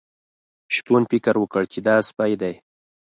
شپون فکر وکړ چې دا سپی دی.